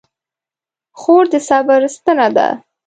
خور د صبر ستنه ده.